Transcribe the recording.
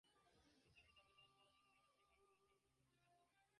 মিসরের দেবতাসকল কেউ শৃগালমুখ, কেউ বাজের মুখযুক্ত, কেউ গোমুখ ইত্যাদি।